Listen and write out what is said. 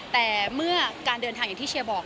แต่เมื่อการเดินทางอย่างที่เชียร์บอก